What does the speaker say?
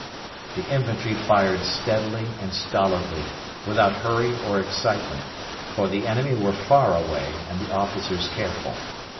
The infantry fired steadily and stolidly, without hurry or excitement, for the enemy were far away and the officers careful.